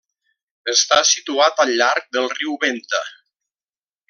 Està situat al llarg del riu Venta.